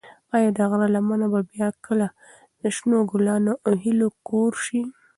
ایا د غره لمنه به بیا کله د شنو ګلانو او هیلو کور شي؟